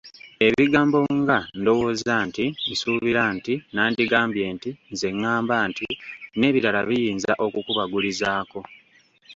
Ebigambo nga “ndowooza nti, nsuubira nti, nandigambye nti, nze ηηamba nti” n’ebirala biyinza okukubagulizaako.